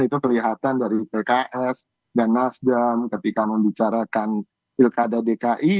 itu kelihatan dari pks dan nasdem ketika membicarakan pilkada dki